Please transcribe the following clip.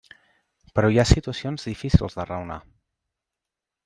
Però hi ha situacions difícils de raonar.